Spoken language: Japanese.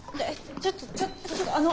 ちょっとちょっとあの。